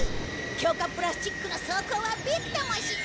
強化プラスチックの装甲はびくともしない。